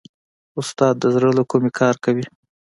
استاد د زړه له کومې کار کوي.